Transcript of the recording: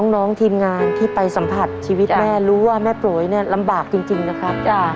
น้องทีมงานที่ไปสัมผัสชีวิตแม่รู้ว่าแม่โปรยเนี่ยลำบากจริงนะครับ